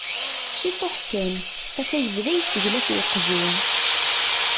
Ciṭuḥ kan, ata yebda yesseglaf uqjun.